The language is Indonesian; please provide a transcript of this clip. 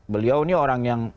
beliau ini orang yang